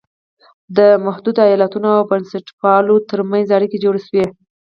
د متحدو ایالتونو او بنسټپالو تر منځ اړیکي جوړ شول.